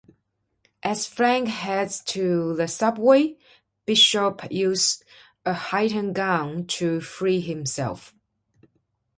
As Frank heads to the subway, Bishop uses a hidden gun to free himself.